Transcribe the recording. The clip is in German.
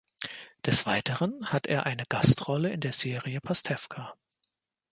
Des Weiteren hat er eine Gastrolle in der Serie Pastewka.